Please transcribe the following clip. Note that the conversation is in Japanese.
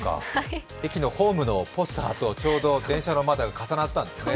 駅のホームのポスターとちょうど電車の窓が重なったんですね。